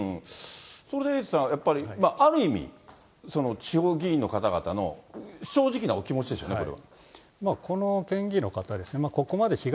それでエイトさん、やっぱりある意味、地方議員の方々の正直なお気持ちですよね、これは。